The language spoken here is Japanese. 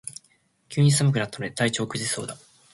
急に寒くなったので体調を崩しそうだ